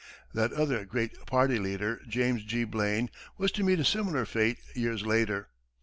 That other great party leader, James G. Blaine, was to meet a similar fate years later.